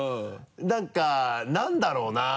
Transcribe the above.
何か何だろうな？